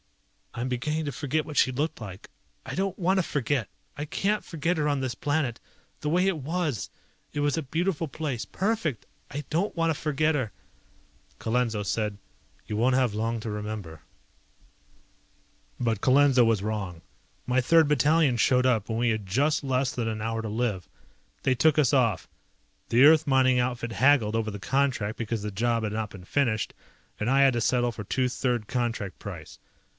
"I'm beginning to forget what she looked like. I don't want to forget! I can't forget her on this planet. The way it was! It was a beautiful place, perfect! I don't want to forget her!" Colenso said, "You won't have long to remember." But Colenso was wrong. My Third Battalion showed up when we had just less than an hour to live. They took us off. The Earth mining outfit haggled over the contract because the job had not been finished and I had to settle for two third contract price.